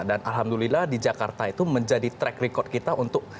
dan alhamdulillah di jakarta itu menjadi track record kita untuk